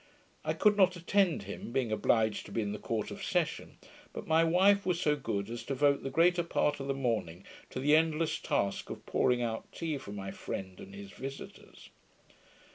I could not attend him, being obliged to be in the Court of Session; but my wife was so good as to devote the greater part of the morning to the endless task of pouring out tea for my friend and his visitors.